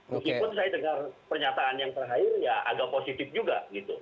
meskipun saya dengar pernyataan yang terakhir ya agak positif juga gitu